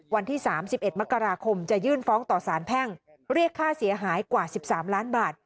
วันที่๓๑มกราคมจะยื่นฟ้องต่อสารแพ่งเรียกค่าเสียหายกว่า๑๓ล้านบาท